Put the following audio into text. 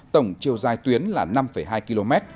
tổng chiều dài tuyến là năm hai km